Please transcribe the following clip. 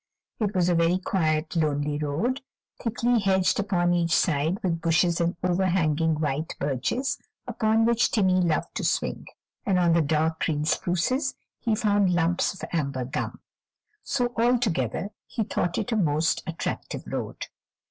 It was a very quiet, lonely road, thickly hedged upon each side with bushes and overhanging white birches upon which Timmy loved to swing, and on the dark green spruces he found lumps of amber gum; so, altogether, he thought it a most attractive road.